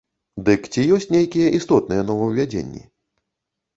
Дык ці ёсць нейкія істотныя новаўвядзенні?